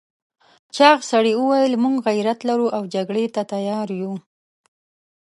چاغ سړي وویل موږ غيرت لرو او جګړې ته تيار یو.